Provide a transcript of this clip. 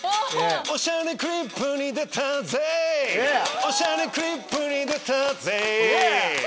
『おしゃれクリップ』に出たぜ『おしゃれクリップ』に出たぜイェイ！